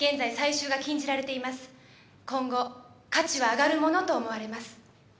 今後価値は上がるものと思われます。